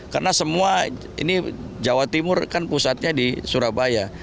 karena semua ini jawa timur kan pusatnya di surabaya